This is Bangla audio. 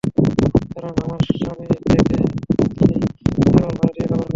কারণ আমার স্বামী যেকে তিনি কেবল ভারতীয় খাবার খান।